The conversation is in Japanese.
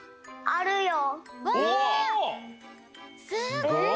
すごい！